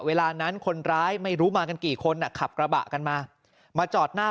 เวลานั้นคนร้ายไม่รู้มากันกี่คนอ่ะขับกระบะกันมามาจอดหน้า